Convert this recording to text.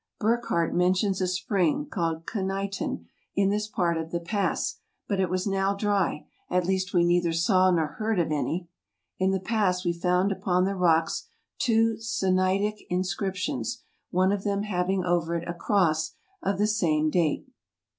Burck hardt mentions a spring, called Kaneitan, in this part of the pass; but it was now dry, at least we neither saw nor heard of any. In the pass we found upon the rocks two Sinaitic inscriptions, one of them having over it a cross of the same date.